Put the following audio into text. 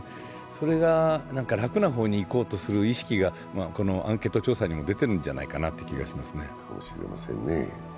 それが楽な方にいこうとする意識がアンケート調査に出てるなじゃないかなって思いますね。